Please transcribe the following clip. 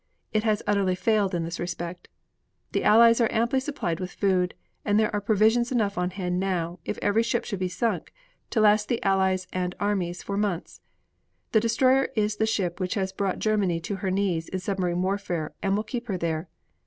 It has utterly failed in this respect. The Allies are amply supplied with food, and there are provisions enough on hand now, if every ship should be sunk, to last the Allies and armies for months. The destroyer is the ship which has brought Germany to her knees in submarine warfare and will keep her there.